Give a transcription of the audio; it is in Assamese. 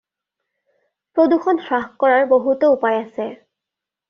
প্ৰদূষণ হ্ৰাস কৰাৰ বহুতো উপায় আছে।